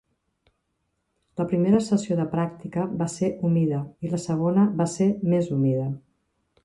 La primera sessió de pràctica va ser humida, i la segona va ser més humida.